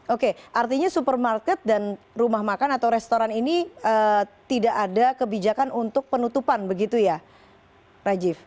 oke artinya supermarket dan rumah makan atau restoran ini tidak ada kebijakan untuk penutupan begitu ya rajiv